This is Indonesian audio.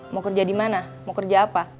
mau kerja di mana mau kerja apa